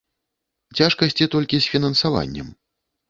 Цяжкасці толькі з фінансаваннем.